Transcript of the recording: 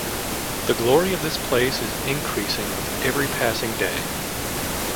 The glory of this place is increasing with every passing day.